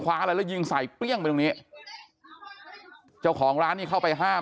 อะไรแล้วยิงใส่เปรี้ยงไปตรงนี้เจ้าของร้านนี่เข้าไปห้าม